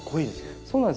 そうなんですよ。